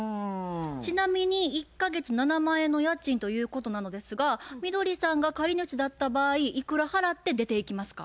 ちなみに１か月７万円の家賃ということなのですがみどりさんが借り主だった場合いくら払って出ていきますか？